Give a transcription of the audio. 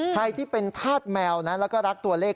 ใครที่เป็นธาตุแมวนะแล้วก็รักตัวเลข